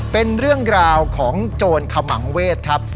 เป็นเรื่องราวของโจรขมังเวศครับ